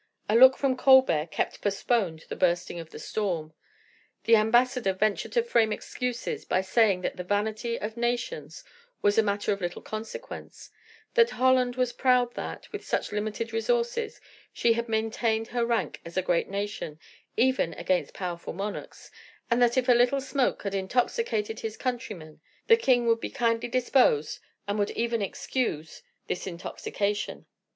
A look from Colbert kept postponed the bursting of the storm. The ambassador ventured to frame excuses by saying that the vanity of nations was a matter of little consequence; that Holland was proud that, with such limited resources, she had maintained her rank as a great nation, even against powerful monarchs, and that if a little smoke had intoxicated his countrymen, the king would be kindly disposed, and would even excuse this intoxication.